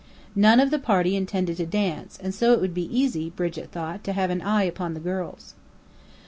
None of the party intended to dance, and so it would be easy, Brigit thought, to "have an eye upon the girls."